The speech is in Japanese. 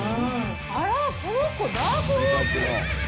あら、この子、ダークホース。